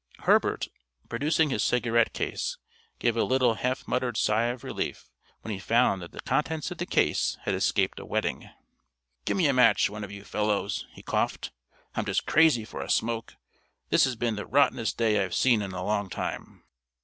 Herbert, producing his cigarette case, gave a little half muttered sigh of relief when he found that the contents of the case had escaped a wetting. "Gimme a match, one of you fellows," he coughed. "I'm just crazy for a smoke. This has been the rottenest day I've seen in a long time."